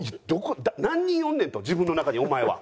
何人おんねんと自分の中にお前は。